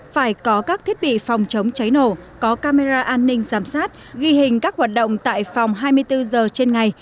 phải có các thiết bị phòng chống cháy nổ có camera an ninh giám sát ghi hình các hoạt động tại phòng hai mươi bốn giờ trên ngày